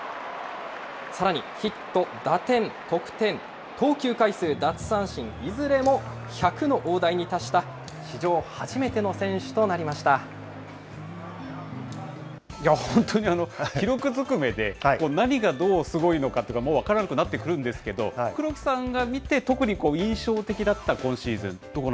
さらにヒット、打点、得点、投球回数、奪三振、いずれも１００の大台に達した史上初めての選手といやあ、本当に記録ずくめで、何がどうすごいのかとか、もう分からなくなってくるんですけど、黒木さんが見て、特に印象的だった今シーズ